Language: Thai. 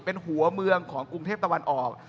เป็นหัวเมืองของกรุงเทพตะวันออก